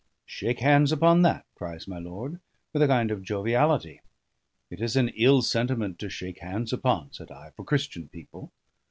"Shake hands upon that!" cries my lord, with a kind of joviality. "It is an ill sentiment to shake hands upon," said I, "for Christian people.